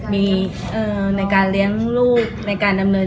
มีในการเลี้ยงลูกในการดำเนิน